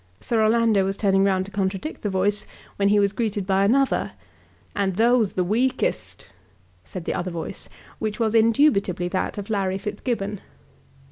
Sir Orlando was turning round to contradict the voice when he was greeted by another. "And those the weakest," said the other voice, which was indubitably that of Larry Fitzgibbon.